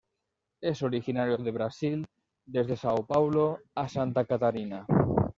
Es originario de Brasil desde São Paulo a Santa Catarina.